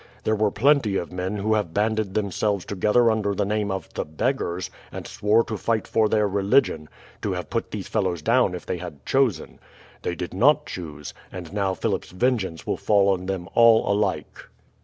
There were plenty of men who have banded themselves together under the name of 'the beggars,' and swore to fight for their religion, to have put these fellows down if they had chosen. They did not choose, and now Philip's vengeance will fall on them all alike."